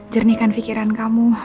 jernihkan pikiran kamu